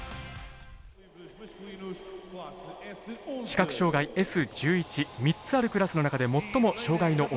視覚障がいＳ１１３つあるクラスの中で最も障がいの重いクラスです。